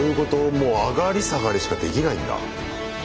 もう上がり下がりしかできないんだ。